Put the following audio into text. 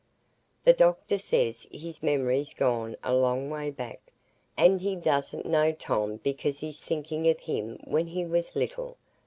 The doctor says his memory's gone a long way back, and he doesn't know Tom because he's thinking of him when he was little.